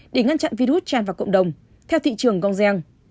để ngăn chặn virus tràn vào cộng đồng theo thị trường gonggen